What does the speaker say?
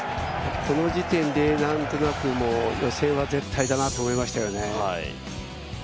この時点で何となく予選は絶対だなと思いましたよね。